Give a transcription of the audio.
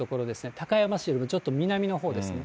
高山市よりもちょっと南のほうですね。